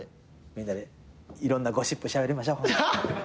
みんなでいろんなゴシップしゃべりましょう。